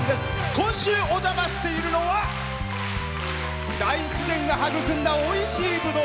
今週お邪魔しているのは大自然が育んだおいしいぶどう。